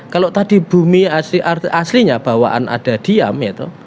kalau tadi bumi aslinya bawaan ada diam itu